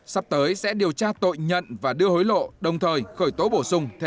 sắp tới sẽ điều tra tội nhận và đưa hối lộ đồng thời khởi tố bổ sung thêm bảy đối tượng